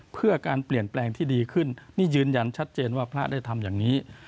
เพื่อการเปลี่ยนแปลงที่ดีขึ้นนี่ยืนยันชัดเจนว่าพระได้ทำอย่างนี้